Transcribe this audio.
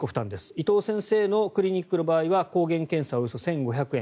伊藤先生のクリニックの場合は抗原検査およそ１５００円